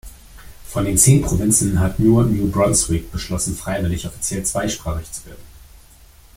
Von den zehn Provinzen hat nur New Brunswick beschlossen, freiwillig offiziell zweisprachig zu werden.